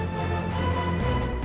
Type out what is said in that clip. gua ngerjain dia